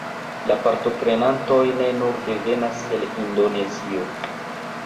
La partoprenantoj ne nur devenas el Indonezio